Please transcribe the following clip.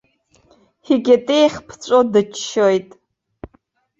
Икьатеих ԥҵәо дыччоит.